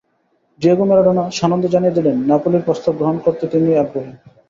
Diego Maradona সানন্দে জানিয়ে দিলেন, নাপোলির প্রস্তাব গ্রহণ করতে তিনি আগ্রহী।